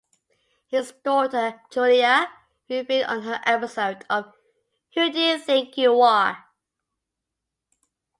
His daughter Julia revealed on her episode of Who Do You Think You Are?